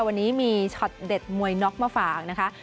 วันนี้มีช็อตเด็ดมวยน็อกมาฝากนะคะ